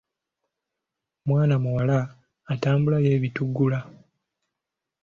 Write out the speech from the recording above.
Mwana muwala atambula yeebitiggula.